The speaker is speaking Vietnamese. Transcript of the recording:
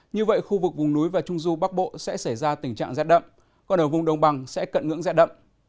như vậy khu vực vùng núi và trung du bắc bộ sẽ xảy ra tình trạng rát đậm còn ở vùng đông bằng sẽ cận ngưỡng rát đậm